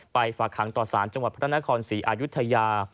ไปฝากคังต่อศาลจังหวัดพระราณคอนศรีอายุทยา